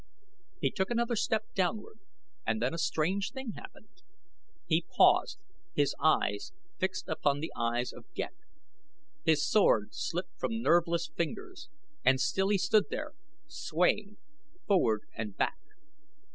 He took another step downward and then a strange thing happened. He paused, his eyes fixed upon the eyes of Ghek. His sword slipped from nerveless fingers, and still he stood there swaying forward and back.